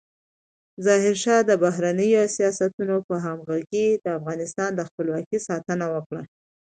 ظاهرشاه د بهرنیو سیاستونو په همغږۍ د افغانستان د خپلواکۍ ساتنه وکړه.